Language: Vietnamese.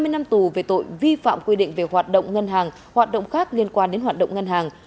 hai mươi năm tù về tội vi phạm quy định về hoạt động ngân hàng hoạt động khác liên quan đến hoạt động ngân hàng